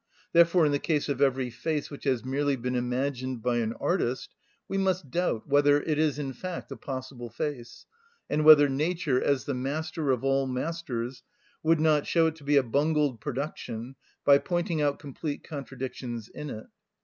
Therefore, in the case of every face which has merely been imagined by an artist, we must doubt whether it is in fact a possible face, and whether nature, as the master of all masters, would not show it to be a bungled production by pointing out complete contradictions in it.